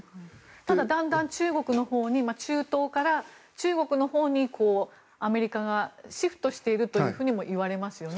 ただ、だんだん中東から中国のほうにアメリカがシフトしているともいわれますよね。